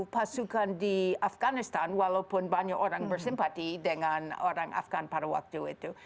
pasukan di afganistan walaupun banyak orang bersimpati dengan orang afghan pada waktu itu